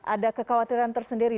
ada kekhawatiran tersendiri